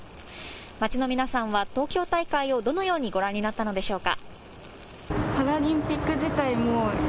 街の皆さんは東京大会をどのようにご覧になったのでしょうか。